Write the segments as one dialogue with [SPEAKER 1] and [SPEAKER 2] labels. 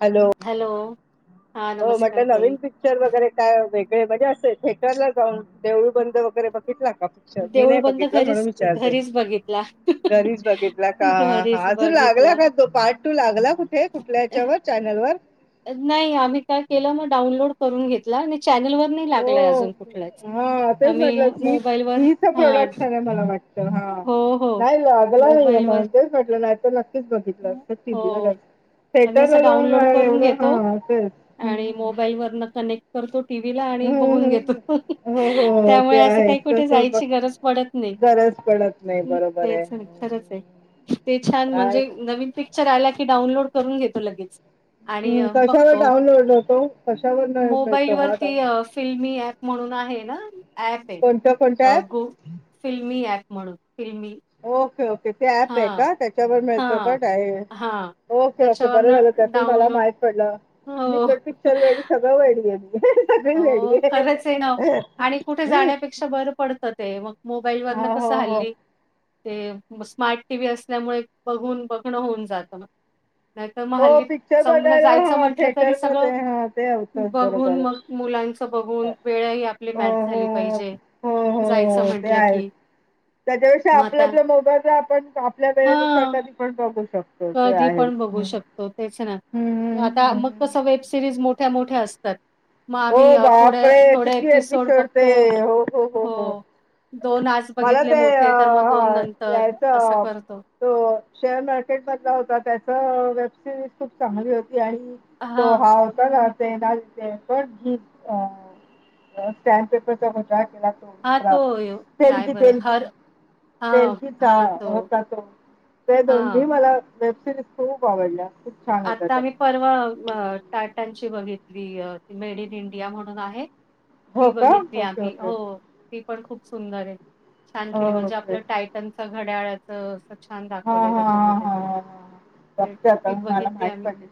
[SPEAKER 1] Hello.
[SPEAKER 2] Hello. हा
[SPEAKER 1] हो
[SPEAKER 2] नमस्कार
[SPEAKER 1] म्हटलं
[SPEAKER 2] ताई
[SPEAKER 1] नवीन पि क्चर वगैरे काय वेगळे म्हणजे असे थेटरला जाऊन देऊळ बंद वगैरे बघितला का? च मी
[SPEAKER 2] देऊळ
[SPEAKER 1] नाही
[SPEAKER 2] बंद
[SPEAKER 1] बघितलं म्हणून
[SPEAKER 2] घरीच
[SPEAKER 1] विचारते.
[SPEAKER 2] घरीच बघितला.
[SPEAKER 1] घरीच बघितला का हा
[SPEAKER 2] घरीच
[SPEAKER 1] अजून लागला
[SPEAKER 2] बघितला
[SPEAKER 1] का तो पार्ट? टू लागला कुठे कुठल्या
[SPEAKER 2] अ,
[SPEAKER 1] याच्यावर चॅनल वर?
[SPEAKER 2] नाही आम्ही काय केलं म डाउनलोड करून घेतला आणि चॅनल वर नाही लागलाय
[SPEAKER 1] हो
[SPEAKER 2] अजून कुठलाच.
[SPEAKER 1] तेच
[SPEAKER 2] आम्ही
[SPEAKER 1] म्हटलं जी
[SPEAKER 2] मोबाईलवर
[SPEAKER 1] जी चा
[SPEAKER 2] हा
[SPEAKER 1] प्रोडक्शन आहे मला वाटतं
[SPEAKER 2] हो हो
[SPEAKER 1] नाही ला गला नाहीेये
[SPEAKER 2] मोबाईलवर
[SPEAKER 1] म्हणून तेच म्हटलं नाही तर नक्कीच बघितलं असं टी व्ही वरचं.
[SPEAKER 2] आही असं डाउनलोड करून घेतो
[SPEAKER 1] तेच
[SPEAKER 2] आणि
[SPEAKER 1] हम्म
[SPEAKER 2] मोबाईल वरनं कनेक्ट करतो टीव्ही ला आणि
[SPEAKER 1] हं,
[SPEAKER 2] बघून
[SPEAKER 1] हं.
[SPEAKER 2] घेतो
[SPEAKER 1] हो, हो.
[SPEAKER 2] त्यामुळे
[SPEAKER 1] ते
[SPEAKER 2] असं काही
[SPEAKER 1] आहेच.
[SPEAKER 2] कुठे
[SPEAKER 1] तसं बघ
[SPEAKER 2] जायची गरज पडत नाही
[SPEAKER 1] गरज पडत नाही. बरोबर आहे.
[SPEAKER 2] तेच नाही खरंच आहे ते छान
[SPEAKER 1] काय
[SPEAKER 2] म्हणजे नवीन पिक्चर आला की डाऊनलोड करून घेतो लगेच. आणि
[SPEAKER 1] हं. कशावर
[SPEAKER 2] बघतो
[SPEAKER 1] डाउनलोड होतो? कशावर न मिळतो हा
[SPEAKER 2] मोबाईलवरती
[SPEAKER 1] डाउन
[SPEAKER 2] फिल्मी ऍप म्हणून आहे ना ऍप आहे
[SPEAKER 1] कोणत्या कोणत्या
[SPEAKER 2] अ
[SPEAKER 1] ॲप?
[SPEAKER 2] गु फिल्मी ऍप म्हणून फिल्मी.
[SPEAKER 1] Okay okay. ते ते ऍप
[SPEAKER 2] हा
[SPEAKER 1] आहे का त्याच्यावर
[SPEAKER 2] हा
[SPEAKER 1] मिळतो का
[SPEAKER 2] हा.
[SPEAKER 1] डायरेक्ट ओके ओके बरं झालं
[SPEAKER 2] त्याच्यावरन
[SPEAKER 1] त्यातून मला
[SPEAKER 2] डाउनलोड
[SPEAKER 1] माहित पडला मी
[SPEAKER 2] हो
[SPEAKER 1] तर पिक्चर वेडी सगळं वेडी आहे मी. सगळी वेडी
[SPEAKER 2] हो खरंच आहे ना. आणि कुठे जाण्यापेक्षा बरं पडतं ते मग मोबाईल वरनं
[SPEAKER 1] हां,
[SPEAKER 2] कसं
[SPEAKER 1] हो, हो.
[SPEAKER 2] हल्ली ते स्मार्ट टी व्ही असल्यामुळे बघून बघणं होऊन जातं न. नाहीतर म
[SPEAKER 1] हो
[SPEAKER 2] हल्ली
[SPEAKER 1] पिक्चर
[SPEAKER 2] समजा
[SPEAKER 1] बघायला
[SPEAKER 2] जायचं
[SPEAKER 1] हां,
[SPEAKER 2] म्हंटलं तरी सगळं
[SPEAKER 1] थिएटरमध्ये हां, ते होतंच
[SPEAKER 2] बघून
[SPEAKER 1] बरोबर.
[SPEAKER 2] मग मुलांच बघून वेळ ही आपली
[SPEAKER 1] हो,
[SPEAKER 2] मॅच झाली
[SPEAKER 1] हो,
[SPEAKER 2] पाहिजे
[SPEAKER 1] हो, हो,
[SPEAKER 2] जायचं
[SPEAKER 1] हो, ते
[SPEAKER 2] म्हटलं
[SPEAKER 1] आहेच.
[SPEAKER 2] की.
[SPEAKER 1] त्याच्यापेक्षा
[SPEAKER 2] मग
[SPEAKER 1] आपल्या
[SPEAKER 2] आता
[SPEAKER 1] आपल्या मोबाईला आपण आपल्या वेळेनुसार
[SPEAKER 2] हा
[SPEAKER 1] कधी पण बघू शक
[SPEAKER 2] कधी पण बघू शक तो तेच ना
[SPEAKER 1] हं. हं,
[SPEAKER 2] आता मग तर
[SPEAKER 1] हं.
[SPEAKER 2] सगळे सिरीज मोठ्या मोठ्या असतात. म आम्ही
[SPEAKER 1] हो
[SPEAKER 2] थोड्या
[SPEAKER 1] बापरे!
[SPEAKER 2] थोड्या
[SPEAKER 1] किती
[SPEAKER 2] एपिसोड
[SPEAKER 1] ते
[SPEAKER 2] बघतो
[SPEAKER 1] हो,
[SPEAKER 2] हो. दोन आज
[SPEAKER 1] मला
[SPEAKER 2] बघितले
[SPEAKER 1] ते अ,
[SPEAKER 2] मोठे तर म दोन
[SPEAKER 1] ह
[SPEAKER 2] नंतर असं
[SPEAKER 1] याचं
[SPEAKER 2] करतो.
[SPEAKER 1] तो शेअर मार्केट मधला होता त्याचा वेबसिरीज खूप चांगली होती आणि तो हा होता ना. [unintelligible] [unintelligible] अ स्टॅमप पेपरचा वजा केला तो
[SPEAKER 2] हा तो
[SPEAKER 1] दुसराच
[SPEAKER 2] यो काय
[SPEAKER 1] पेलकी
[SPEAKER 2] बरं
[SPEAKER 1] तेलकी.
[SPEAKER 2] हर हा
[SPEAKER 1] तेलकिचा
[SPEAKER 2] हा तो
[SPEAKER 1] होता तो ते दोन्ही
[SPEAKER 2] हा.
[SPEAKER 1] मला वेब सिरीज खूप आवडल्या. खूप छान होत्या
[SPEAKER 2] आता
[SPEAKER 1] त्या
[SPEAKER 2] आम्ही परवा म टाटांची बघितली अ ती मेड इन इंडिया म्हणून आहे ती
[SPEAKER 1] हो का
[SPEAKER 2] बघितली
[SPEAKER 1] ओके
[SPEAKER 2] आम्ही
[SPEAKER 1] ओके
[SPEAKER 2] हो ती पण खूप सुंदर आहे छान केली म्हणजे
[SPEAKER 1] ओके
[SPEAKER 2] आपलं टाय टनचा घड्याळचं असं छान
[SPEAKER 1] हा
[SPEAKER 2] दाखवलंय
[SPEAKER 1] हा
[SPEAKER 2] त्याच्यामध्ये. ते ती
[SPEAKER 1] तम मला
[SPEAKER 2] बघितली
[SPEAKER 1] माहित
[SPEAKER 2] आम्ही.
[SPEAKER 1] पडेल.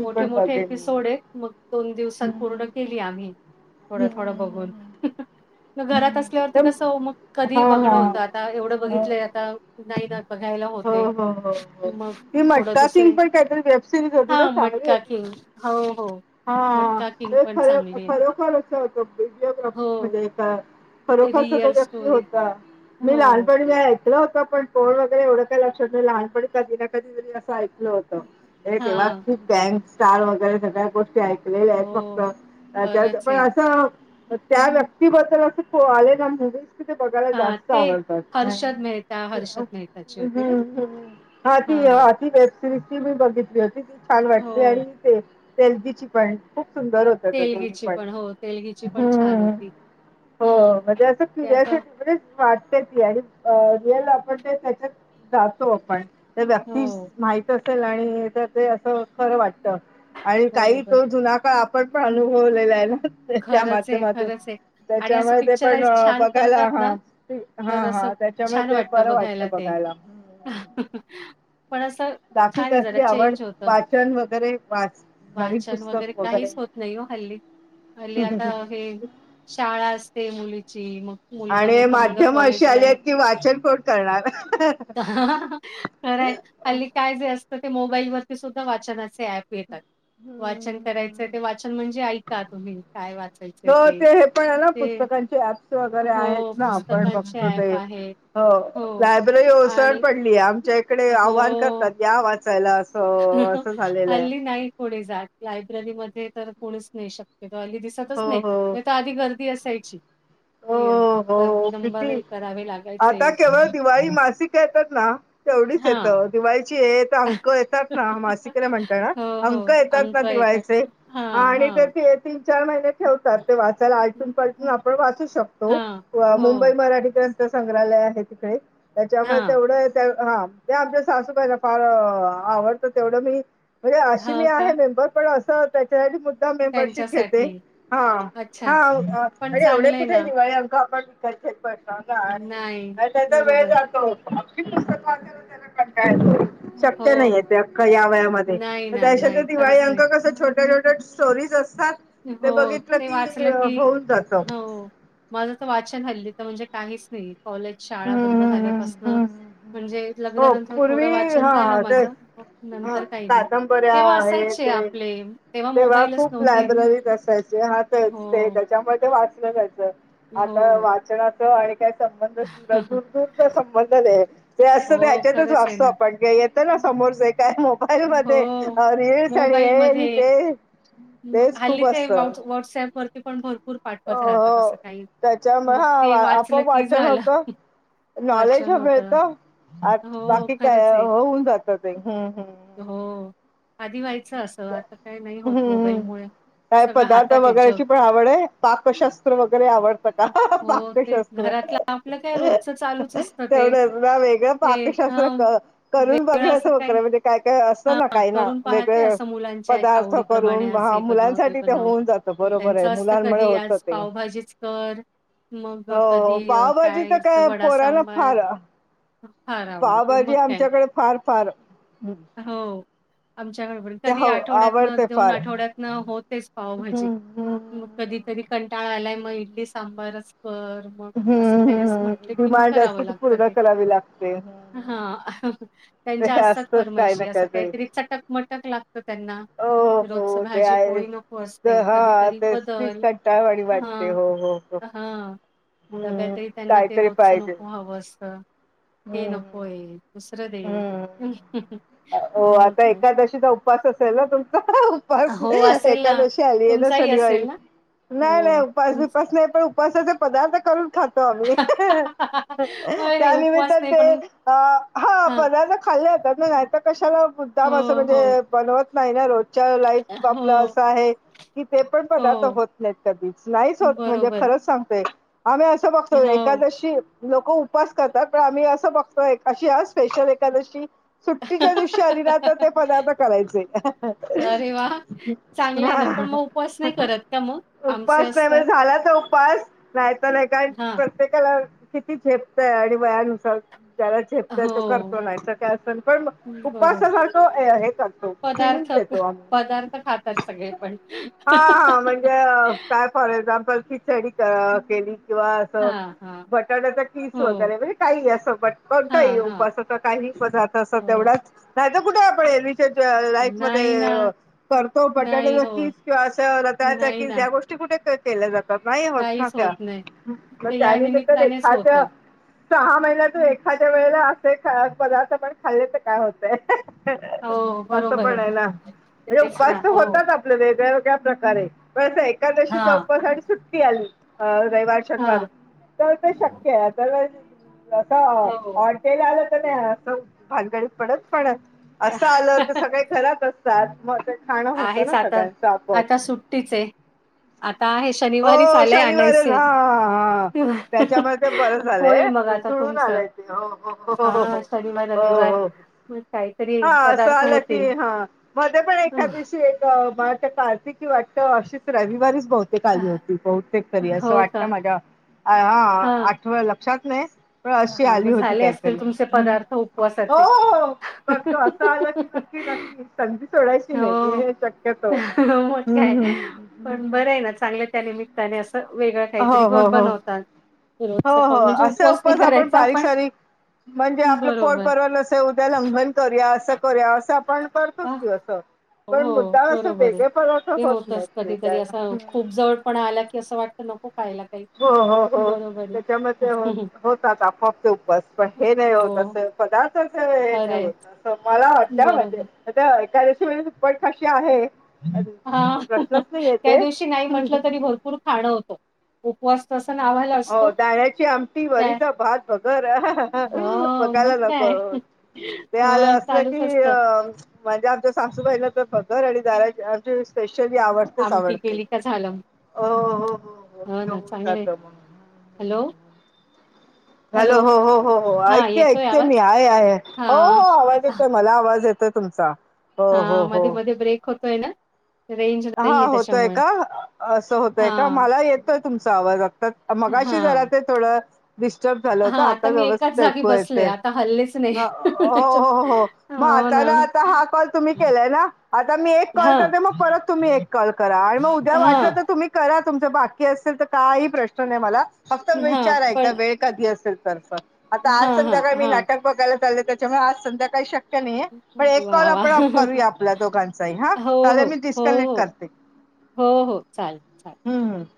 [SPEAKER 2] मोठे मोठे एपिसोड आहेत मग दोन दिवसात पूर्ण
[SPEAKER 1] हम्म,
[SPEAKER 2] केली आम्ही. थोडं
[SPEAKER 1] हम्म,
[SPEAKER 2] थोडं बघून.
[SPEAKER 1] हम्म,
[SPEAKER 2] मग
[SPEAKER 1] हम्म,
[SPEAKER 2] घरात
[SPEAKER 1] हम्म.
[SPEAKER 2] असल्यावरती कसं मग
[SPEAKER 1] तर-
[SPEAKER 2] कधी
[SPEAKER 1] हा
[SPEAKER 2] बघणं
[SPEAKER 1] हा
[SPEAKER 2] होतं आता एवढं
[SPEAKER 1] हो
[SPEAKER 2] बघितलंय आता नाही ना. बघायला [unintelligible]
[SPEAKER 1] हो हो हो हो
[SPEAKER 2] मग
[SPEAKER 1] त
[SPEAKER 2] थोडं
[SPEAKER 1] मटका थिंग
[SPEAKER 2] दुसरे
[SPEAKER 1] पण काहीतरी [unintelligible] ना
[SPEAKER 2] हा
[SPEAKER 1] चांगली
[SPEAKER 2] मटका
[SPEAKER 1] होती
[SPEAKER 2] किंग हो हो.
[SPEAKER 1] हा
[SPEAKER 2] मटका किंग
[SPEAKER 1] खर
[SPEAKER 2] पण चांगली आहे.
[SPEAKER 1] खरोखर असं होतं व्हिडिओग्राफी
[SPEAKER 2] हो
[SPEAKER 1] म्हणजे खरोखरच तो
[SPEAKER 2] रिअल
[SPEAKER 1] व्यक्ती
[SPEAKER 2] स्टोरी
[SPEAKER 1] होता मी
[SPEAKER 2] हो.
[SPEAKER 1] लहानपणी मी ऐकलं होतं पण बोर्ड वगैरे एवढं काय लक्ष लहानपणी कधी ना कधीतरी असं ऐकल होत तेव्हा
[SPEAKER 2] हा
[SPEAKER 1] खूप गॅग स्टार वगैरे सगळ्या गोष्ट मी त्या ऐकलेल्या आहेत
[SPEAKER 2] हो,
[SPEAKER 1] फक्त
[SPEAKER 2] खरंच
[SPEAKER 1] पण
[SPEAKER 2] आहे.
[SPEAKER 1] अस त्या व्यक्ती ती बद्दल असं आले ना मु [unintelligible] ते बघायला
[SPEAKER 2] हां,
[SPEAKER 1] जास्त
[SPEAKER 2] ते
[SPEAKER 1] आवडतात नाय.
[SPEAKER 2] हर्षद मेहता, हर्षद मेहताची होती ना?
[SPEAKER 1] हां ती हां ती बे ते रेसिपी मी बघितली होती ती छान वाटली आणि
[SPEAKER 2] हो.
[SPEAKER 1] ते तेलची पण खूप सुंदर होती. [unintelligible] दोन्ही
[SPEAKER 2] तेलगीची
[SPEAKER 1] पण
[SPEAKER 2] हो, तेलगीची पण छान
[SPEAKER 1] हम्म.
[SPEAKER 2] होती.
[SPEAKER 1] हो
[SPEAKER 2] हं.
[SPEAKER 1] म्हणजे असं
[SPEAKER 2] ते आता
[SPEAKER 1] फिरायसाठी म्हणजे वाट [unintelligible] रियल आपण त्याच्यात जातो आपण त्या व्यक्ती
[SPEAKER 2] हो,
[SPEAKER 1] माहित अस [unintelligible] ते अस खर वाटत आणि काही
[SPEAKER 2] बरोबर.
[SPEAKER 1] तो जुना काळ आपण पण अनुभवलेला आहे ना त्या
[SPEAKER 2] खरंच आहे,
[SPEAKER 1] माध्यमातून.
[SPEAKER 2] खरंच आहे. आणि असं
[SPEAKER 1] त्याच्यामुळे ते पण
[SPEAKER 2] पिक्चराईज छान
[SPEAKER 1] बघायला
[SPEAKER 2] करतात ना,
[SPEAKER 1] हां
[SPEAKER 2] तर
[SPEAKER 1] हां
[SPEAKER 2] असं
[SPEAKER 1] हां त्याच्यामुळे ते बरं वाटतं बघायला.
[SPEAKER 2] ह [unintelligible] पण असं
[SPEAKER 1] ग्राफिक
[SPEAKER 2] छानय जरा
[SPEAKER 1] असली आवड
[SPEAKER 2] चेंज होत
[SPEAKER 1] वाचन वगैरे वाच नवीन
[SPEAKER 2] वाचन वगैरे
[SPEAKER 1] पुस्तक
[SPEAKER 2] काहीच होत नाही हो हल्ली हल्ली आता हे शाळा असते मुलीची मग मुलगा
[SPEAKER 1] आणि
[SPEAKER 2] मोठा मुलगा
[SPEAKER 1] माध्यम अशी
[SPEAKER 2] कॉलेजला
[SPEAKER 1] आली आहेत
[SPEAKER 2] आहे.
[SPEAKER 1] की वाचन कोण करणार
[SPEAKER 2] खरय हल्ली काय जे असतं ते मोबाईल वरती सुद्धा वाचनाचे ऍप येतात. वाचन करायचंय
[SPEAKER 1] हम्म
[SPEAKER 2] ते वाचन म्हणजे ऐका तुम्ही.
[SPEAKER 1] हो ते हे पण आहे ना पुस्तकांचे ऍप्स वगैरे
[SPEAKER 2] हो
[SPEAKER 1] आहेत ना आपण
[SPEAKER 2] पुस्तकांचे
[SPEAKER 1] बघतो
[SPEAKER 2] ऍप
[SPEAKER 1] ते.
[SPEAKER 2] आहेत
[SPEAKER 1] हो लायब्ररी ओसड
[SPEAKER 2] आणि
[SPEAKER 1] पडलीये आमच्या इकडे आव्हान करतात
[SPEAKER 2] हो
[SPEAKER 1] या वाचायला. असं असं झालेलं आहे
[SPEAKER 2] हल्ली नाहीच. कुणी जात लायब्ररीमध्ये तर कोणीच नाही शक्यतो हल्ली दिसातच
[SPEAKER 1] हो
[SPEAKER 2] नाही नाहीतर आधी गर्दी असायची.
[SPEAKER 1] हो
[SPEAKER 2] हे तर
[SPEAKER 1] हो
[SPEAKER 2] नंबर
[SPEAKER 1] किती
[SPEAKER 2] हे करावे लागायचे.
[SPEAKER 1] आता केवळ दिवाळी मासिक येतात ना तेवढीच येत
[SPEAKER 2] हां.
[SPEAKER 1] दिवाळीची येत अंक येतात ना मासिक म्हणता येणार
[SPEAKER 2] हो,
[SPEAKER 1] अंक
[SPEAKER 2] हो.
[SPEAKER 1] येतात ना
[SPEAKER 2] अंक येतात.
[SPEAKER 1] दिवाळीचे. हां आणि [unintelligible] तीन चार महिने ठेवतात ते वाचायला. आलटून पालटून
[SPEAKER 2] हं,
[SPEAKER 1] आपण वाचू शकतो
[SPEAKER 2] हां. हो.
[SPEAKER 1] मुंबई मराठी त्यांचं संग्रहालय आहे तिकडे त्याच्यामुळे
[SPEAKER 2] हां.
[SPEAKER 1] तेवढं हां ते आमच्या सासूबाईला फार आवडतं तेवढं मी म्हणजे अशी मी
[SPEAKER 2] हो
[SPEAKER 1] आहे
[SPEAKER 2] का?
[SPEAKER 1] मेंबर पण असं मुद्दाम मेबरशीप घेते
[SPEAKER 2] त्यांच्यासाठी.
[SPEAKER 1] हां
[SPEAKER 2] अच्छा.
[SPEAKER 1] हां
[SPEAKER 2] पण
[SPEAKER 1] अरे एवढे
[SPEAKER 2] चांगलं आहे
[SPEAKER 1] कुठ
[SPEAKER 2] ना.
[SPEAKER 1] काही अंक पण क [unintelligible] पण
[SPEAKER 2] नाही.
[SPEAKER 1] आणि त्याचा वेळ
[SPEAKER 2] बरोबर
[SPEAKER 1] जातो अगदी पुस्तक वाचायला कंटाळा येतो
[SPEAKER 2] आहे.
[SPEAKER 1] शक्य नाही य
[SPEAKER 2] हो.
[SPEAKER 1] ते अख्ख या वयामध्ये
[SPEAKER 2] नाही
[SPEAKER 1] तर
[SPEAKER 2] ना,
[SPEAKER 1] त्याच्यात
[SPEAKER 2] नाही.
[SPEAKER 1] दिवाळी
[SPEAKER 2] खरंच
[SPEAKER 1] अंक
[SPEAKER 2] नाही.
[SPEAKER 1] कसं छोट्या छोट्या स्टोरीज असतात ते
[SPEAKER 2] हो.
[SPEAKER 1] बघितलं
[SPEAKER 2] ते
[SPEAKER 1] की
[SPEAKER 2] वाचलं की
[SPEAKER 1] होऊन जात.
[SPEAKER 2] हो. माझं तर वाचन हल्ली तर, म्हणजे काहीच नाही, कॉलेज शाळा बंद झाल्यापासन म्हणजे
[SPEAKER 1] हो
[SPEAKER 2] लग्नानंतर थोडं
[SPEAKER 1] पूर्वी
[SPEAKER 2] वाचन झालं
[SPEAKER 1] हा ते
[SPEAKER 2] माझं, मग नंतर काही नाही,
[SPEAKER 1] कादंबऱ्या
[SPEAKER 2] तेव्हा
[SPEAKER 1] आहे
[SPEAKER 2] असायचे
[SPEAKER 1] ते
[SPEAKER 2] आपले
[SPEAKER 1] तेव्हा
[SPEAKER 2] मोबाईलच
[SPEAKER 1] खूप
[SPEAKER 2] नव्हते.
[SPEAKER 1] लायब्ररीत असायचे ह
[SPEAKER 2] हो,
[SPEAKER 1] त्याच्यामध्ये वाचल जायचं, आता
[SPEAKER 2] हो.
[SPEAKER 1] वाचनाच आणि संबंध, दूर दूरचा संबंध नाही, ते अस
[SPEAKER 2] हो,
[SPEAKER 1] त्याच्यातच
[SPEAKER 2] खरंच आहे
[SPEAKER 1] वाचतो
[SPEAKER 2] ना.
[SPEAKER 1] आपण येतं ना समोरच, काय मोबाईल
[SPEAKER 2] हो,
[SPEAKER 1] मध्ये रीलस, आणि हे आणि
[SPEAKER 2] मोबाईलमध्ये
[SPEAKER 1] ते
[SPEAKER 2] मग
[SPEAKER 1] तेच
[SPEAKER 2] हल्ली
[SPEAKER 1] खूप
[SPEAKER 2] ते,
[SPEAKER 1] असत अ
[SPEAKER 2] [unintelligible] व्हॉट्सअप वरती पण भर भपूर पाठवत राहतात,
[SPEAKER 1] हो.
[SPEAKER 2] असं काही.
[SPEAKER 1] त्याच्यामुळे
[SPEAKER 2] मग ते
[SPEAKER 1] हा
[SPEAKER 2] वाचलं
[SPEAKER 1] आपोआप
[SPEAKER 2] की
[SPEAKER 1] वाचन
[SPEAKER 2] झालं.
[SPEAKER 1] होतं नॉलेज
[SPEAKER 2] वाचन
[SPEAKER 1] मिळत,
[SPEAKER 2] होतं. हो,
[SPEAKER 1] बाकी काय
[SPEAKER 2] खरंच आहे.
[SPEAKER 1] होऊन जात ते्, हम हम.
[SPEAKER 2] हो, आधी व्हायचं असं, आता काय नाही होत
[SPEAKER 1] हम्म
[SPEAKER 2] मोबाईलमुळे.
[SPEAKER 1] काय
[SPEAKER 2] सगळं
[SPEAKER 1] पदार्थ
[SPEAKER 2] हातात आहे जग.
[SPEAKER 1] वगैरेची पण आवड आहे, पाकशास्त्र वगैरे आवडतं का?
[SPEAKER 2] हो हो, ते
[SPEAKER 1] पाकशास्त्र
[SPEAKER 2] घरातलं आपलं काय रोजचं चालूच असतं ते.
[SPEAKER 1] तेवढंच ना, वेगळं
[SPEAKER 2] ते
[SPEAKER 1] पाकशास्त्र
[SPEAKER 2] हं
[SPEAKER 1] करून
[SPEAKER 2] वेगळं
[SPEAKER 1] बघयच
[SPEAKER 2] असं
[SPEAKER 1] होत
[SPEAKER 2] काही
[SPEAKER 1] काय काय असतं ना,
[SPEAKER 2] हां
[SPEAKER 1] काही ना,
[SPEAKER 2] करून पाहते
[SPEAKER 1] वेगळ
[SPEAKER 2] असं मुलांच्या
[SPEAKER 1] पदार्थ
[SPEAKER 2] आवडीप्रमाणे
[SPEAKER 1] करून,
[SPEAKER 2] आज
[SPEAKER 1] हा,
[SPEAKER 2] हे बनव
[SPEAKER 1] मुलांसाठी, ते
[SPEAKER 2] बनव.
[SPEAKER 1] होऊन जातं
[SPEAKER 2] मग
[SPEAKER 1] बरोबर आहे,
[SPEAKER 2] त्यांचं असतं
[SPEAKER 1] मुलांमुळे
[SPEAKER 2] कधी
[SPEAKER 1] होत
[SPEAKER 2] आज
[SPEAKER 1] ते
[SPEAKER 2] पावभाजीच कर, मग
[SPEAKER 1] हो
[SPEAKER 2] कधी
[SPEAKER 1] पावभाजी
[SPEAKER 2] काय
[SPEAKER 1] तर
[SPEAKER 2] अस वडा
[SPEAKER 1] पोरांना
[SPEAKER 2] सांबार
[SPEAKER 1] फार
[SPEAKER 2] फार आवडते,
[SPEAKER 1] पावभाजी
[SPEAKER 2] मग काय
[SPEAKER 1] आमच्याकडे फार फार
[SPEAKER 2] हो, आमच्या बरोबर,
[SPEAKER 1] ते
[SPEAKER 2] कधी
[SPEAKER 1] हव-
[SPEAKER 2] आठवड्यातन
[SPEAKER 1] आवडते
[SPEAKER 2] दोन
[SPEAKER 1] फार हम्म
[SPEAKER 2] आठवड्यातनं, होतेच पावभाजी.
[SPEAKER 1] हम्म
[SPEAKER 2] मग
[SPEAKER 1] हम्म.
[SPEAKER 2] कधीतरी कंटाळ आलाय, मग इडली सांबारच कर. मग असं
[SPEAKER 1] हम्म्
[SPEAKER 2] काही असं
[SPEAKER 1] हम,
[SPEAKER 2] म्हटलं की मग
[SPEAKER 1] डिमांड असते ती पूर्ण करावी लागते.
[SPEAKER 2] हा, त्यांच्या
[SPEAKER 1] ते
[SPEAKER 2] असतात
[SPEAKER 1] असतच
[SPEAKER 2] पर
[SPEAKER 1] काही
[SPEAKER 2] अस
[SPEAKER 1] ना
[SPEAKER 2] काहीतरी चटकमटक लागत, त्यांना,
[SPEAKER 1] हो
[SPEAKER 2] रोज
[SPEAKER 1] हो ते
[SPEAKER 2] भाजी पोळी
[SPEAKER 1] आहेच.
[SPEAKER 2] नको अस
[SPEAKER 1] हा, तेच तीस कंटाळवाणी वाटते हो, हो हो.
[SPEAKER 2] हा,
[SPEAKER 1] हम्म
[SPEAKER 2] डब्याही त्यांना ते
[SPEAKER 1] काहीतरी
[SPEAKER 2] रोजचं
[SPEAKER 1] पाहिजे
[SPEAKER 2] नको हवं असतं, हे
[SPEAKER 1] हम्म
[SPEAKER 2] नक होय, दुसर दे
[SPEAKER 1] हम्म. हो,
[SPEAKER 2] मग
[SPEAKER 1] आता
[SPEAKER 2] काय.
[SPEAKER 1] एकादशीचा उपवास असेल ना तुमचा? उपास,
[SPEAKER 2] हो, असेल ना.
[SPEAKER 1] एकादशी आली आहे ना
[SPEAKER 2] तुमचाही असेल
[SPEAKER 1] शनिवारी,
[SPEAKER 2] ना?
[SPEAKER 1] नाही नाही,
[SPEAKER 2] हो.
[SPEAKER 1] उपास
[SPEAKER 2] तुमच
[SPEAKER 1] बिपास नाही पण उपासाचे पदार्थ करून खात [unintelligible]
[SPEAKER 2] अरे, उपवास
[SPEAKER 1] त्यानमिताणे
[SPEAKER 2] नाही पण
[SPEAKER 1] ते अ हा
[SPEAKER 2] हां.
[SPEAKER 1] पदार्थ खाल्लं जातात ना, नाही तर कशाला
[SPEAKER 2] हो,
[SPEAKER 1] मुदाम असं,
[SPEAKER 2] हो.
[SPEAKER 1] म्हणजे बनवत नाही ना, रोजच्या लाई बा पलं
[SPEAKER 2] हो,
[SPEAKER 1] असं आहे कि ते पण पदार्थ
[SPEAKER 2] हो.
[SPEAKER 1] होत नाहीत कधीच, नाहीच होत, म्हणजे
[SPEAKER 2] बरोबर.
[SPEAKER 1] खरंच सांगतोय आम्ही असं बघतो,
[SPEAKER 2] हो.
[SPEAKER 1] एखकादशी लोक उपास करतात, पण आम्ही असं बघतो एका स्पेशल एखादशी सुट्टीच्या दिवशी आली ना तर ते पदार्थ करायचे.
[SPEAKER 2] अरे वाह! चांगलं आहे ना, पण
[SPEAKER 1] हा,
[SPEAKER 2] मग उपवास नाही करत का मग? आमचे
[SPEAKER 1] उपास [unintelligible] नाही म
[SPEAKER 2] असतात
[SPEAKER 1] झाला तर उपवास नाही तर, हे काय
[SPEAKER 2] हां.
[SPEAKER 1] प्रत्येकाला किती झेपतय, आणि वयानुसार ज्याला झेप तर तो
[SPEAKER 2] हो,
[SPEAKER 1] करतो, नाही तर [unintelligible] का पण
[SPEAKER 2] बरोबर.
[SPEAKER 1] उपवासासारखो हे करतो. फिलिंग
[SPEAKER 2] पदार्थ,
[SPEAKER 1] देतो आम्ही
[SPEAKER 2] पदार्थ खातात सगळे पण.
[SPEAKER 1] हा हा म्हणजे, काय फॉर एक्झाम्पल खीचडी केली किंवा असं
[SPEAKER 2] हां, हां.
[SPEAKER 1] बटाट्याचा कीस
[SPEAKER 2] हो.
[SPEAKER 1] वगैरे, म्हणजे काही असं बट
[SPEAKER 2] हां, हां.
[SPEAKER 1] उपासाचं काही पदार्थ अस
[SPEAKER 2] हो.
[SPEAKER 1] तेवढंच, नाहीतर कुठ आपण एरवी लाईट
[SPEAKER 2] नाही
[SPEAKER 1] मध्ये,
[SPEAKER 2] ना.
[SPEAKER 1] करतो
[SPEAKER 2] नाही
[SPEAKER 1] बटाट्याचा कीस
[SPEAKER 2] होत.
[SPEAKER 1] किंवा अस रताळ्याचा
[SPEAKER 2] नाही
[SPEAKER 1] किस
[SPEAKER 2] ना.
[SPEAKER 1] या गोष्टी कुठे केल्या जातात, नाही होत ना
[SPEAKER 2] काहीच
[SPEAKER 1] त्या,
[SPEAKER 2] नाही.
[SPEAKER 1] मग
[SPEAKER 2] ते या
[SPEAKER 1] त्यानिमिताणे
[SPEAKER 2] निमित्तानेच
[SPEAKER 1] एखाद्या
[SPEAKER 2] होतं.
[SPEAKER 1] सहा महिन्यातून एखाद्या वेळेला असे पदार्थ पण खाल्ले काय होतय
[SPEAKER 2] हो,
[SPEAKER 1] असं
[SPEAKER 2] बरोबर
[SPEAKER 1] पण आहे ना हे
[SPEAKER 2] तेच ना.
[SPEAKER 1] उपास तर
[SPEAKER 2] हो.
[SPEAKER 1] होतात वेगळ्या वेगळ्या प्रकार आहे तसं एकादशीचा
[SPEAKER 2] हां,
[SPEAKER 1] उपास आणि सुट्टी आली अ रविवार शनिवार आहे
[SPEAKER 2] हां.
[SPEAKER 1] तर ते शक्य आहे तर असं अ
[SPEAKER 2] हो.
[SPEAKER 1] [unintelligible] नाही असं भानकडी पडत पडत असं आलं तर सगळे घरात असतात म ते खाणं होतं
[SPEAKER 2] आहेच
[SPEAKER 1] ना
[SPEAKER 2] आता.
[SPEAKER 1] सगळ्यांचं आपोआप.
[SPEAKER 2] आता सुट्टीच आहे. आता हे शनिवारीच
[SPEAKER 1] हो
[SPEAKER 2] आलंय
[SPEAKER 1] शनिवारी
[SPEAKER 2] आणायचे.
[SPEAKER 1] हा हा त्याच्याम ते बर
[SPEAKER 2] होईल
[SPEAKER 1] झालंय
[SPEAKER 2] मग आता
[SPEAKER 1] जुळून
[SPEAKER 2] तुमचं
[SPEAKER 1] आलाय ते.
[SPEAKER 2] हा शनिवार
[SPEAKER 1] हो
[SPEAKER 2] रविवार
[SPEAKER 1] हो.
[SPEAKER 2] म
[SPEAKER 1] हा असं आलं की हा. मध्ये पण एखादशी एक मला वाटतं कार्तिक की वाटतं अशीच रविवारीच बहू तेक आली होती बहुतेक तरी
[SPEAKER 2] हो
[SPEAKER 1] असं
[SPEAKER 2] का
[SPEAKER 1] वाटतं माझ्या आ आ
[SPEAKER 2] हा
[SPEAKER 1] आठव लक्षात नाही. पण अशी
[SPEAKER 2] हा
[SPEAKER 1] आली
[SPEAKER 2] मग
[SPEAKER 1] होती
[SPEAKER 2] झाले
[SPEAKER 1] काहीतरी
[SPEAKER 2] असतील तुमचे
[SPEAKER 1] हम्म
[SPEAKER 2] पदार्थ उपवासाचे.
[SPEAKER 1] हो. तर तो असं आल की नक्की जा
[SPEAKER 2] हो
[SPEAKER 1] ती संधी सोडायची नाही की हे शक्यतो
[SPEAKER 2] मग
[SPEAKER 1] हम्म
[SPEAKER 2] काय
[SPEAKER 1] हम्म
[SPEAKER 2] पण
[SPEAKER 1] हम्म.
[SPEAKER 2] बरं आहे ना चांगल्या त्या निमित्ताने असं वेगळा काहीतरी
[SPEAKER 1] हो हो हो
[SPEAKER 2] बनवतात. रोजच
[SPEAKER 1] हो हो
[SPEAKER 2] खाऊन म्हणजे
[SPEAKER 1] असं
[SPEAKER 2] उपवास नाही
[SPEAKER 1] उपास आपण
[SPEAKER 2] करायचा
[SPEAKER 1] बारीक
[SPEAKER 2] पण
[SPEAKER 1] सारीक म्हणजे आपलं पोड
[SPEAKER 2] बरोबर
[SPEAKER 1] परवा नसे उद्या लंघन करूया असं करूया असं आपण करतोस की असं. पण
[SPEAKER 2] हो
[SPEAKER 1] मुद्दा असं
[SPEAKER 2] बरोबर आहे.
[SPEAKER 1] वेगळा फळाचा
[SPEAKER 2] ते
[SPEAKER 1] होत नाहीत ते त्याला हम्म.
[SPEAKER 2] पण आला की असं वाटतं नको खायला काही.
[SPEAKER 1] हो हो हो
[SPEAKER 2] बरोबर आहे.
[SPEAKER 1] त्याच्यामध्ये हो होतात, आपोआपचे उपास पण हे नाही
[SPEAKER 2] हो
[SPEAKER 1] होत असं पदार्थचे हे नाही
[SPEAKER 2] खरंय
[SPEAKER 1] होत असं मला [unintelligible] म्हणजे
[SPEAKER 2] बरोबर
[SPEAKER 1] आता एकादशी वरी दुप्पट खाशी आहे.
[SPEAKER 2] हा
[SPEAKER 1] प्रश्नच नाही
[SPEAKER 2] त्या
[SPEAKER 1] येते
[SPEAKER 2] दिवशी नाही म्हटलं तरी भरपूर खाणं होतो.
[SPEAKER 1] हो दाण्याची आमटी,
[SPEAKER 2] त्या
[SPEAKER 1] वरीचा भात, भगर आहाँ हा हा
[SPEAKER 2] हो मग
[SPEAKER 1] बघायला
[SPEAKER 2] काय.
[SPEAKER 1] [unintelligible] ते
[SPEAKER 2] अ
[SPEAKER 1] आलं असलं
[SPEAKER 2] चालूच
[SPEAKER 1] की अ
[SPEAKER 2] असतं
[SPEAKER 1] म्हणजे आमच्या सासूबाईला तर भगर आणि दाराची आमची स्पेशली आवड तेच
[SPEAKER 2] आमटी
[SPEAKER 1] आवडते
[SPEAKER 2] केली का झालं.
[SPEAKER 1] ओ हो हो ते
[SPEAKER 2] ना
[SPEAKER 1] होऊन
[SPEAKER 2] चांगलंय
[SPEAKER 1] जातं मंग.
[SPEAKER 2] हॅलो.
[SPEAKER 1] हॅलो हो हो हो हो
[SPEAKER 2] हा
[SPEAKER 1] ऐकते
[SPEAKER 2] येतोय
[SPEAKER 1] ऐकते मी
[SPEAKER 2] आवाज
[SPEAKER 1] आहे आहे. हो हो
[SPEAKER 2] हा.
[SPEAKER 1] आवाज येतोमला आवाज येतोय तुमचा. हो हो
[SPEAKER 2] हा
[SPEAKER 1] हो
[SPEAKER 2] मध्ये मध्ये ब्रेक होतोय ना. रेंज
[SPEAKER 1] हा
[SPEAKER 2] नाहीये
[SPEAKER 1] होतोय
[SPEAKER 2] त्याच्यामुळे
[SPEAKER 1] का असं
[SPEAKER 2] हा
[SPEAKER 1] होतय का मला येतोय तुमचा आवाज आता मगाशी
[SPEAKER 2] हा.
[SPEAKER 1] जरा ते थोडं डिस्टर्ब झालं होतं आता व्यवस्थित ऐकू येतेय‌‌.
[SPEAKER 2] हल्लेस
[SPEAKER 1] हा ओ हो हो हो हो. म आता ना आता हा कॉल तुम्ही केलाय ना आता मी एक कॉल
[SPEAKER 2] हां,
[SPEAKER 1] करते मग परत तुम्ही एक कॉल करा आणि मग
[SPEAKER 2] हं.
[SPEAKER 1] उद्या वाटलं तर
[SPEAKER 2] हां,
[SPEAKER 1] तुम्ही करा तुमचा बाकी असेल तर काही प्रश्न नाही मला. फक्त
[SPEAKER 2] हां.
[SPEAKER 1] विचारायच
[SPEAKER 2] पण
[SPEAKER 1] वेळ कधी असेल तरफ आता आज
[SPEAKER 2] हां, हां,
[SPEAKER 1] संध्याकाळी मी
[SPEAKER 2] हां.
[SPEAKER 1] नाट बघायला चालले त्याच्यामुळे आज संध्याकाळी शक्य शक्य ‌नाही आहे पण एक कॉल
[SPEAKER 2] वाह,
[SPEAKER 1] आपण
[SPEAKER 2] वाह!
[SPEAKER 1] करूया आपल्या दोघांचाही हा.
[SPEAKER 2] हो, हो.
[SPEAKER 1] चालेल मी‌
[SPEAKER 2] हो,
[SPEAKER 1] डिस्कनेक्ट
[SPEAKER 2] हो.
[SPEAKER 1] करते.
[SPEAKER 2] हो हो चालेल चालेल.
[SPEAKER 1] हम्म हम्म.